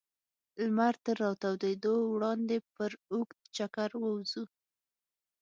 لمر تر راتودېدا وړاندې پر اوږد چکر ووځو.